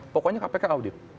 pokoknya kpk audit